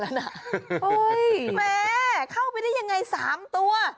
แหมเข้าไปได้ยังไง๓ตัว